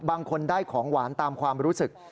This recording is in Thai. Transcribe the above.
บางคนได้ของหวานตามความรู้สึก